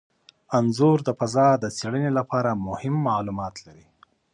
انځور د فضا د څیړنې لپاره مهم معلومات لري.